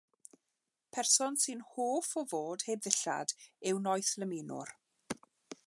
Person sy'n hoff o fod heb ddillad yw noethlymunwr.